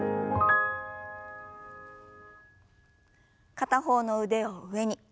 片方の腕を上に。